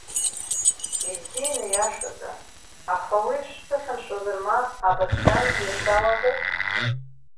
Ибзиан аиашазы, аха уи шәԥыхьамшәозар ма абаҭканжьы шәауазар?